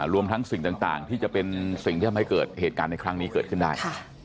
รวมทั้งสิ่งต่างที่จะเป็นสิ่งที่ทำให้เกิดเหตุการณ์ในครั้งนี้เกิดขึ้นได้